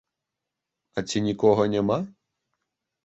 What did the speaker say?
А ці нікога няма?